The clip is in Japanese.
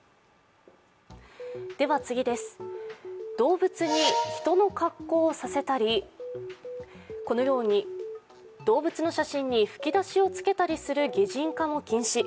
動物に人の格好をさせたり、このように動物の写真に吹き出しをつけたりする擬人化も禁止。